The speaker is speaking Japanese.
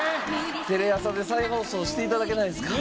テレ朝で再放送して頂けないですか？